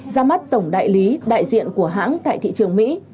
ra mắt tổng đại lý đại diện của hãng tại thị trường mỹ